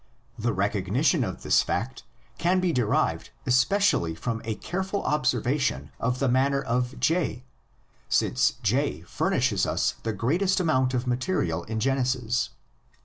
The recognition of this fact can be derived especially from a careful observation of the manner of J, since J furnishes us the greatest amount of material in Genesis.